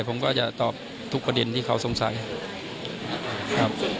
ผมก็จะตอบทุกประเด็นที่เขาสงสัยครับ